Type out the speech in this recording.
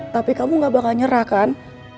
tapi kamu gak bakal nyerah kan